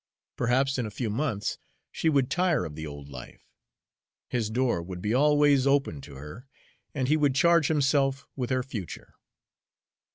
Perhaps, in a few months, she would tire of the old life. His door would be always open to her, and he would charge himself with her future.